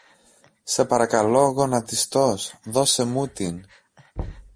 σε παρακαλώ γονατιστός, δώσε μου την